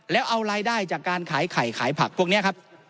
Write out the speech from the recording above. แล้วเอารายได้จากการขายไข่ขายผักพวกนี้ครับ